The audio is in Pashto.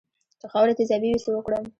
که خاوره تیزابي وي څه وکړم؟